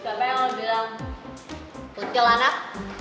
siapa yang mau bilang putih lakar